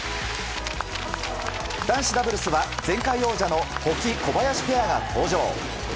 男子ダブルスは前回王者の保木、小林ペアが登場。